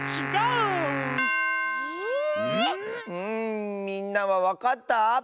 ん？んみんなはわかった？